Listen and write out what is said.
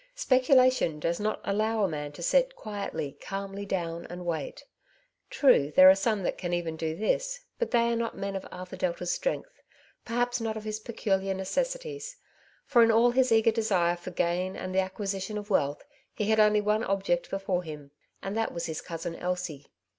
Speculation does not allow a man to set quietly, calmly down and wait. True, there are some that can even do this, but they are not men of Arthur Delta^s strength, perhaps not of his peculiar necessities j for, in all his eager desire for gain and the acquisition of wealth, he had only one object before him, and that was his cousin Elsie.